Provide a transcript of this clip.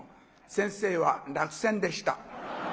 先生は落選でした。